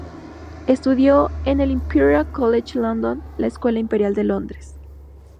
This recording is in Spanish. Estudió en el Imperial College London, la Escuela Imperial de Londres.